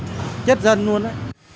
chắc chết dân luôn đó